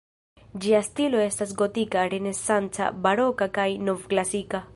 Ĝia stilo estas gotika, renesanca, baroka kaj novklasika.